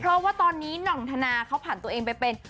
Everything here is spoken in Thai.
เพราะว่าตอนนี้หน่องธนาเขาผ่านตัวเองไปเป็น